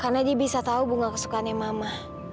karena dia bisa tahu bunga kesukaannya mama